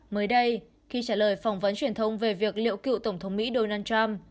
mới đây khi trả lời phỏng vấn truyền thông về việc liệu cựu tổng thống mỹ donald trump